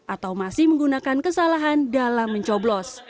atau masih menggunakan kesalahan dalam mencoblos